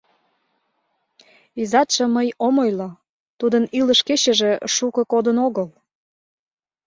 Изатшым мый ом ойло, тудын илыш кечыже шуко кодын огыл.